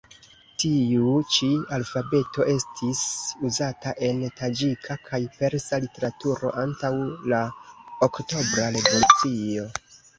Tiu-ĉi alfabeto estis uzata en taĝika kaj persa literaturo antaŭ la Oktobra revolucio.